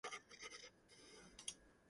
On the following edition of Impact!